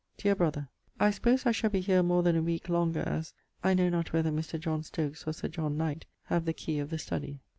Deare brother, I sopose I shall be here more then a week longer as ... I know not whether Mr. John Stokes or Sir John Knight have the key of the study.